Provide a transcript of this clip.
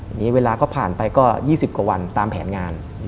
อย่างนี้เวลาก็ผ่านไปก็๒๐กว่าวันตามแผนงาน